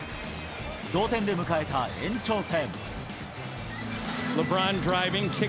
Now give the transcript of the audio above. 同点で迎えた延長戦。